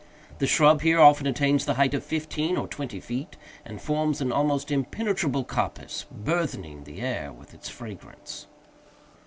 The shrub here often attains the height of fifteen or twenty feet, and forms an almost impenetrable coppice, burthening the air with its fragrance.